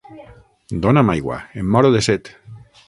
Dona'm aigua: em moro de set.